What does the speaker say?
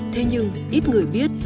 thế nhưng ít người biết